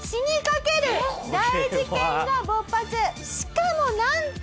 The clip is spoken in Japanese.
しかもなんと。